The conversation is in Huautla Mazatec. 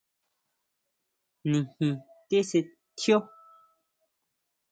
Nijin tesetjio.